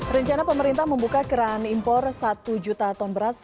rencana pemerintah membuka keran impor satu juta ton beras